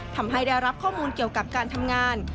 ทำให้ได้รับข้อมูลเกี่ยวกับการทำงาน